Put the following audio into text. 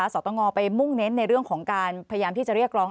สตงไปมุ่งเน้นในเรื่องของการพยายามที่จะเรียกร้อง